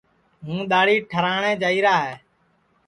ہوں دؔاڑی ٹھراٹؔے جائیرا ہے